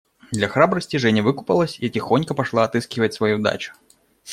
Для храбрости Женя выкупалась и тихонько пошла отыскивать свою дачу.